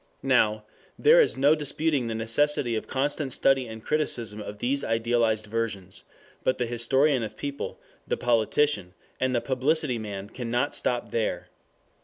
Now there is no disputing the necessity of constant study and criticism of these idealized versions, but the historian of people, the politician, and the publicity man cannot stop there.